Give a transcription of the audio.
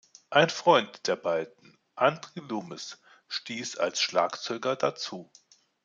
Ein Freund der beiden, Andrew Loomis, stieß als Schlagzeuger dazu.